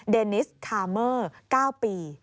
นิสคาเมอร์๙ปี